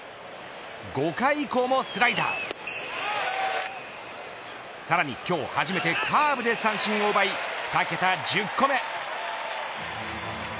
５回以降もスライダーさらに今日初めてカーブで三振を奪い２桁１０個目。